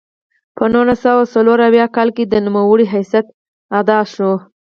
په نولس سوه څلور اویا کال کې د نوموړي حیثیت اعاده شو.